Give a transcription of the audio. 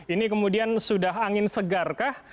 ini kemudian sudah angin segarkah